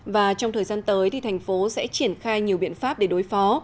và trong thời gian tới thì thành phố sẽ triển khai nhiều biện pháp để đối phó